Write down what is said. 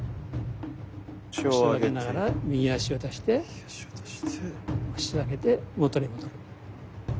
足を上げながら右足を出して腰を上げて元に戻る。